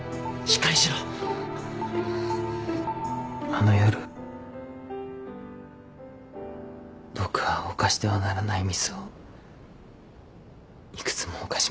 あの夜僕は犯してはならないミスをいくつも犯しました。